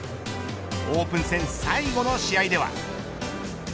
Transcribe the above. オープン戦最後の試合では。